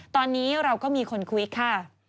ตอนนี้เราก็มีคนคุยค่ะ